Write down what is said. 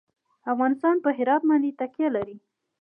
افغانستان په هرات باندې تکیه لري.